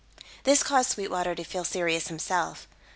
This caused Sweetwater to feel serious himself.